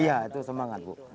iya itu semangat bu